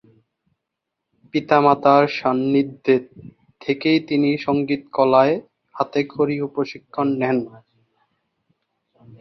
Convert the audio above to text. পিতা-মাতার সান্নিধ্যে থেকেই তিনি সঙ্গীতকলায় হাতে খড়ি ও প্রশিক্ষণ নেন।